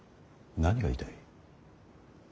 何が言いたい。